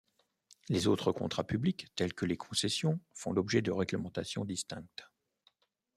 Les autres contrats publics, tels que les concessions, font l'objet de règlementations distinctes.